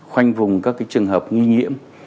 khoanh vùng các trường hợp nghi nhiễm